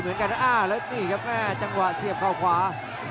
เหมือนกันแล้วนี่ครับแม่จังหวะเสียบเข้าขวา